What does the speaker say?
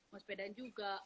mau sepedahan juga